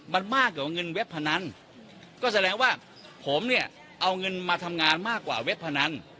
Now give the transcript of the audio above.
มันมากกว่าเงินเว็บพนันก็แสดงว่าผมเนี่ยเอาเงินมาทำงานมากกว่าเว็บพนัน